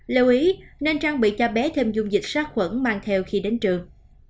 lưu ý nên trang bị cho bé thêm dung dịch sát khuẩn mang theo khi đến trường